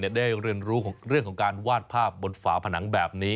ได้เรียนรู้เรื่องของการวาดภาพบนฝาผนังแบบนี้